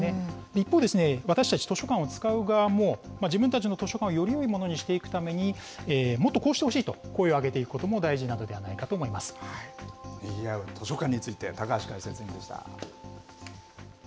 一方、私たち図書館を使う側も、自分たちの図書館をよりよいものにしていくために、もっとこうしてほしいと声を上げていくことも大事なのではないかにぎわう図書館について、高橋解説委員でした。